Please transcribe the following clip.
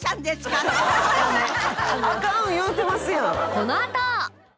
このあと！